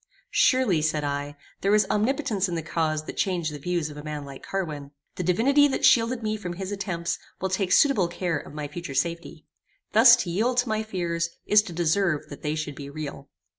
"Surely," said I, "there is omnipotence in the cause that changed the views of a man like Carwin. The divinity that shielded me from his attempts will take suitable care of my future safety. Thus to yield to my fears is to deserve that they should be real."